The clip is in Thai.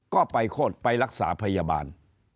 ก็ไปโคตรไปรักษาพยาบาล